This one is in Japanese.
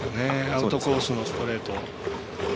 アウトコースのストレート。